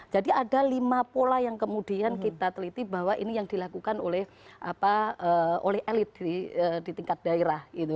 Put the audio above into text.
jadi ada lima pola yang kemudian kita teliti bahwa ini yang dilakukan oleh elit di tingkat daerah